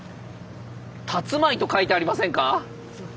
「たつまい」と書いてありませんか？